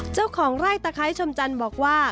เจ้าของไร่ตะไคร้ชมจันทร์บอกว่า